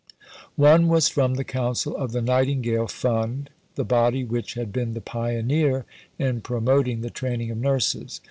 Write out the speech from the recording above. One was from the Council of the Nightingale Fund, the body which had been the pioneer in promoting the training of nurses.